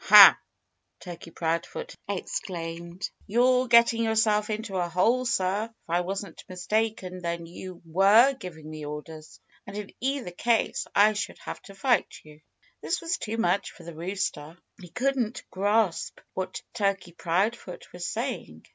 "Ha!" Turkey Proudfoot exclaimed. "You're getting yourself into a hole, sir! If I wasn't mistaken, then you were giving me orders. And in either case I should have to fight you." This was too much for the rooster. He couldn't grasp what Turkey Proudfoot was saying.